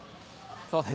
そうですね。